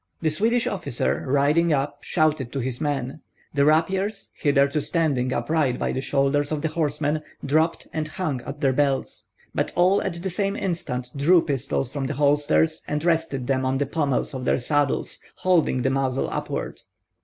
The Swedish officer, riding up, shouted to his men; the rapiers, hitherto standing upright by the shoulders of the horsemen, dropped and hung at their belts; but all at the same instant drew pistols from the holsters, and rested them on the pommels of their saddles, holding the muzzle upward.